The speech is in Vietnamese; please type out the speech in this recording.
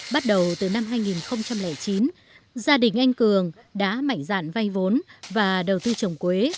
bắt đầu từ năm hai nghìn chín gia đình anh cường đã mạnh dạn vay vốn và đầu tư trồng quế